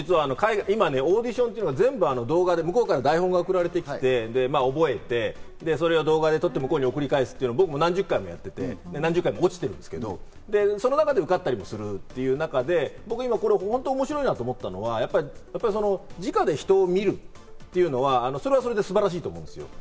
オーディションっていうのは、向こうから台本が送られてきて、覚えて、動画で撮って向こうに送り返すっていうのは僕も何十回もやって、何十回も落ちてるんですけど、その中で受かったりもするという中で、面白いなと思ったのが直で人を見るというのは、それはそれで素晴らしいと思う。